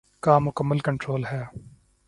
کا مکمل کنٹرول ہے۔